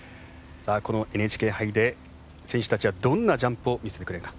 このＮＨＫ杯で、選手たちはどんなジャンプを見せてくれるか。